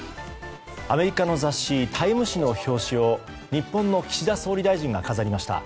アメリカの雑誌「タイム」誌の表紙を日本の岸田総理大臣が飾りました。